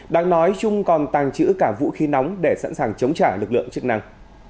đáng nói trung còn tàng trữ cả vũ khí nóng để sẵn sàng chống trả lực lượng chức năng